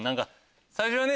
最初はね